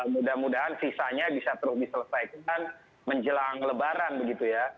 mudah mudahan sisanya bisa terus diselesaikan menjelang lebaran begitu ya